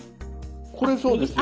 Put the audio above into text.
これそうですよね？